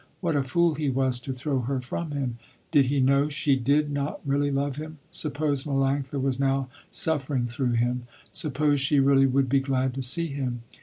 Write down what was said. What a fool he was to throw her from him. Did he know she did not really love him. Suppose Melanctha was now suffering through him. Suppose she really would be glad to see him.